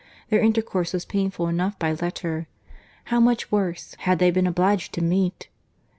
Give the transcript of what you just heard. Their intercourse was painful enough by letter. How much worse, had they been obliged to meet!